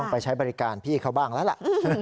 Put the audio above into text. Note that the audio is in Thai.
ไปใช้บริการพี่เขาบ้างแล้วล่ะ